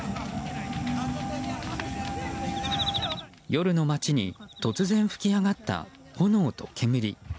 夜の街に突然、噴き上がった炎と煙。